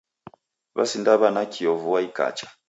W'esindaw'a nakio vua ikacha.